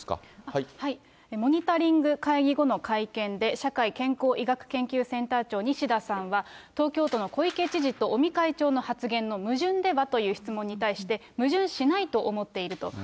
モニタリング会議後の会見で、社会健康医学研究センター長、西田さんは、東京都の小池知事と尾身会長の矛盾では？という質問に対して、矛盾しないと思っていると。